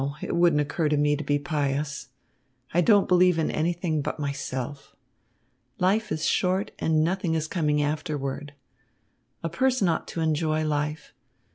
It wouldn't occur to me to be pious. I don't believe in anything but myself. Life is short, and nothing is coming afterward. A person ought to enjoy life.